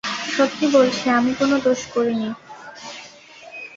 সত্যি বলছি, আমি কোনো দোষ করি নি।